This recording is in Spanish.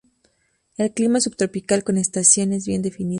El clima es subtropical, con estaciones bien definidas.